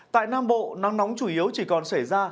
tại nam bộ nắng nóng chủ yếu chỉ còn xảy ra